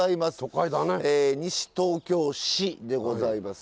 西東京市でございます。